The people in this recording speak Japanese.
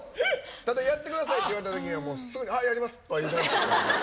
ただ「やってください」って言われた時にはもうすぐに「はいやります！」とは言うてますけど。